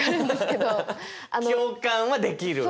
共感はできる？